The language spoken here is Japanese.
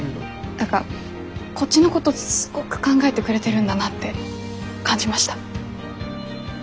何かこっちのことすごく考えてくれてるんだなって感じました。